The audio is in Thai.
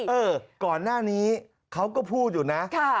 เออก่อนหน้านี้เขาก็พูดอยู่นะ